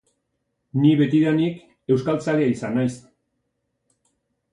Ni betidanik euskaltzalea izan naiz.